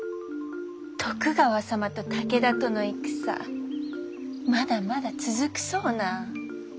徳川様と武田との戦まだまだ続くそうな。